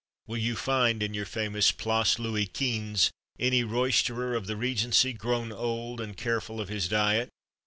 Will you find in your famous Place Louis Quinze any roisterer of the regency grown old and careful of his diet?